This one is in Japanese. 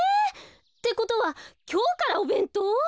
ってことはきょうからおべんとう？